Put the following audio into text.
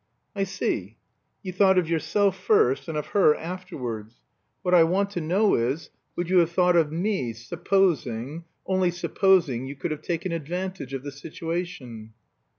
"I see. You thought of yourself first, and of her afterwards. What I want to know is, would you have thought of me, supposing only supposing you could have taken advantage of the situation?"